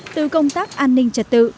từ công tác an ninh trật tự